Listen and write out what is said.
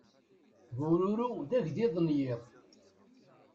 Bururu d agḍiḍ n yiḍ.